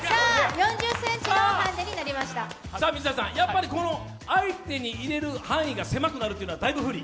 やっぱり相手に入れる範囲が狭くなるというのはだいぶ不利？